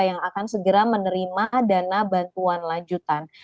yang akan segera menerima dana bantuan lanjutan